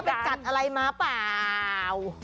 ถอดก็ว่าไปกัดอะไรมาป่าว